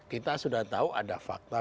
kita sudah tahu ada fakta